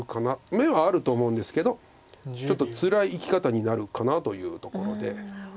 眼はあると思うんですけどちょっとつらい生き方になるかなというところで。